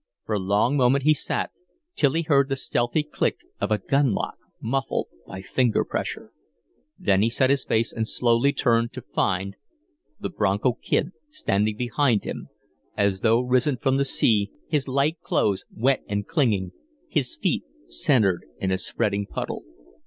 For a long moment he sat, till he heard the stealthy click of a gun lock muffled by finger pressure. Then he set his face and slowly turned to find the Bronco Kid standing behind him as though risen from the sea, his light clothes wet and clinging, his feet centred in a spreading puddle.